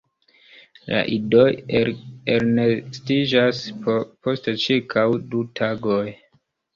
La idoj elnestiĝas post ĉirkaŭ du tagoj.